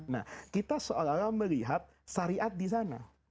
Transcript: nah kita seolah olah melihat syariat disana